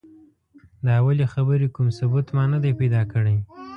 د اولې خبرې کوم ثبوت ما نه دی پیدا کړی.